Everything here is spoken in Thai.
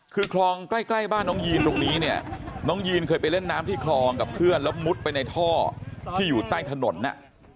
คือคลองใกล้ใกล้บ้านน้องยีนตรงนี้เนี่ยน้องยีนเคยไปเล่นน้ำที่คลองกับเพื่อนแล้วมุดไปในท่อที่อยู่ใต้ถนนน่ะ